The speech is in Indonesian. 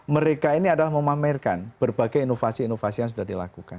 mereka ini adalah memamerkan berbagai inovasi inovasi yang sudah dilakukan